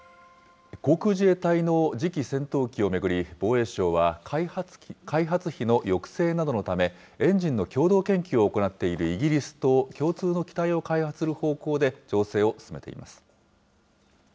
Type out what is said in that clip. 航空自衛隊の次期戦闘機を巡り、防衛省は開発費の抑制などのため、エンジンの共同研究を行っているイギリスと共通の機体を開発する方向で調整を進めています。